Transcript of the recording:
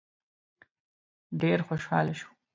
ډېر خوشاله شو.